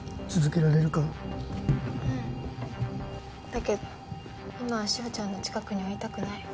だけど今は志法ちゃんの近くにはいたくない。